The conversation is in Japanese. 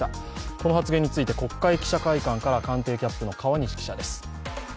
この発言について国会記者会館から官邸キャップの川西記者です。